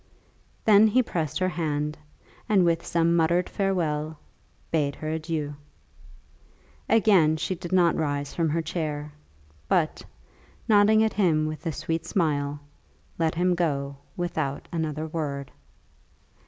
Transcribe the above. Then he pressed her hand, and with some muttered farewell, bade her adieu. Again she did not rise from her chair, but nodding at him with a sweet smile, let him go without another word.